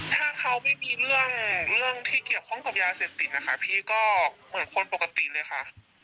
ถ้าเขาไม่มีเรื่องที่เกี่ยวข้องกับยาเสพติดนะคะพี่ก็เหมือนคนปกติเลยค่ะ